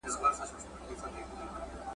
اعتبار نه په خندا نه په ژړا سته ,